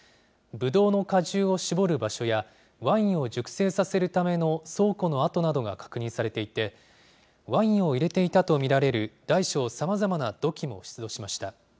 ブドウの果汁を搾る場所やワインを熟成させるための倉庫の跡などが確認されていて、ワインを入れていたと見られる大小さまざまな土器も出土しました。